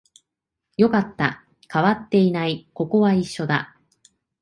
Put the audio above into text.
よかった、変わっていない、ここは一緒だ